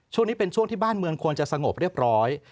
ช่วงนี้เป็นช่วงที่บ้านเมืองควรจะสงบเรียบร้อย